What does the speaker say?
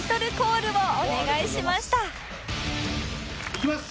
いきます！